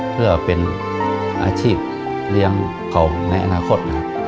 เพื่อเป็นอาชีพเลี้ยงเขาในอนาคตนะครับ